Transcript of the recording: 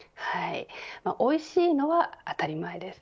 おいしいのは当たり前です。